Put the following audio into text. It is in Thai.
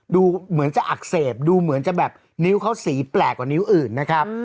ดูเหมือนจะอักเสบดูเหมือนจะแบบนิ้วเขาสีแปลกกว่านิ้วอื่นนะครับ